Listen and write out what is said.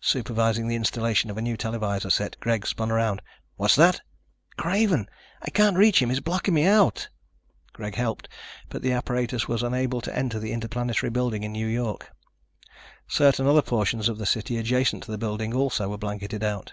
Supervising the installation of a new televisor set, Greg spun around. "What's that?" "Craven! I can't reach him. He's blocking me out!" Greg helped, but the apparatus was unable to enter the Interplanetary building in New York. Certain other portions of the city adjacent to the building also were blanketed out.